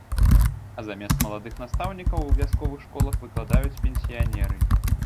А замест маладых настаўнікаў у вясковых школах выкладаюць пенсіянеры.